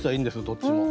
どっちも。